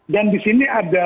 dan di sini ada